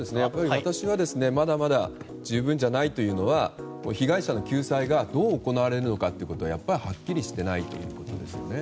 私はまだまだ十分じゃないというのは被害者の救済がどう行われるのかはっきりしていないということですね。